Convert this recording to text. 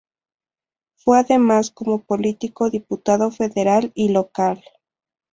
Fue además, como político, diputado federal y local.